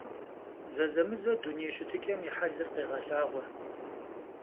Zezemıze dunêy şıtıç'em yi «helır» khêğelhağue.